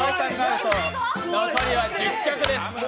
残りは１０脚です。